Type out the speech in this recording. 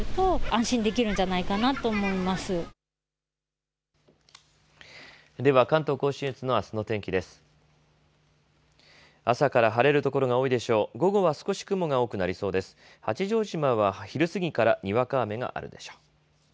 八丈島は昼過ぎからにわか雨があるでしょう。